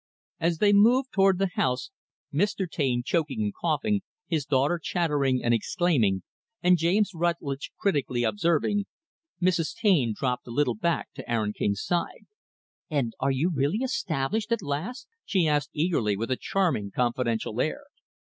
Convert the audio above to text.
As they moved toward the house, Mr. Taine choking and coughing, his daughter chattering and exclaiming, and James Rutlidge critically observing, Mrs. Taine dropped a little back to Aaron King's side. "And are you really established, at last?" she asked eagerly; with a charming, confidential air.